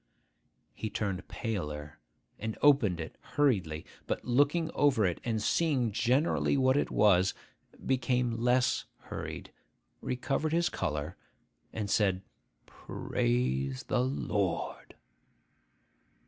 He turned paler, and opened it hurriedly; but looking over it, and seeing generally what it was, became less hurried, recovered his colour, and said, 'Praise the Lord!